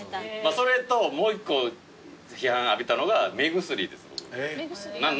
それともう一個批判浴びたのが目薬です。